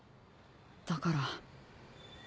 だから。